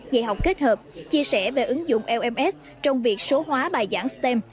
dạy học kết hợp chia sẻ về ứng dụng lms trong việc số hóa bài giảng stem